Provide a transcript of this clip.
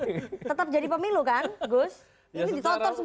ini ditonton semua orang loh